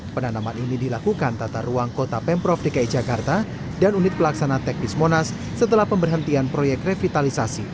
penanaman ini dilakukan tata ruang kota pemprov dki jakarta dan unit pelaksana teknis monas setelah pemberhentian proyek revitalisasi